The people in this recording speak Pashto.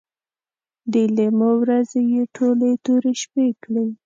د لیمو ورځې یې ټولې تورې شپې کړې